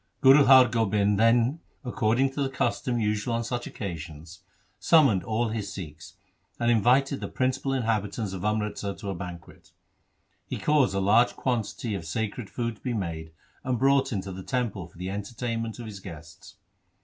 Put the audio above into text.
Guru Har Gobind then, according to the custom usual on such occasions, summoned all his Sikhs, and invited the principal inhabitants of Amritsar to a banquet. He caused a large quantity of sacred food to be made and brought into the temple for the entertainment of his guests.